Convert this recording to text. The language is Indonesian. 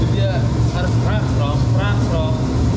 jadi dia harus perak perok perak perok